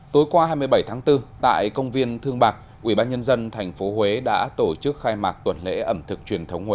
tối qua hai mươi bảy tháng tư tại công viên thương bạc